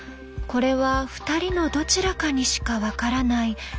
これは２人のどちらかにしか分からない